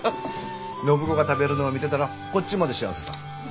暢子が食べるのを見てたらこっちまで幸せさぁ。